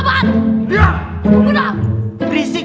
bagaimana kalian geng bener ya